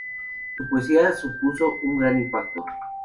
Su poesía supuso un gran impacto.